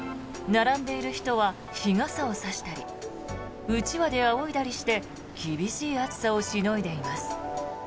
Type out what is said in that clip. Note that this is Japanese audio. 並んでいる人は日傘を差したりうちわであおいだりして厳しい暑さをしのいでいます。